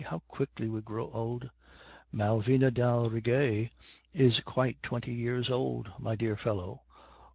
How quickly we grow old!' "'Malvina d'Aldrigger is quite twenty years old, my dear fellow.